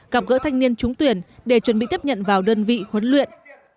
gặp gỡ thanh niên trúng tuyển để chuẩn bị tiếp nhận vào đơn vị huấn luyện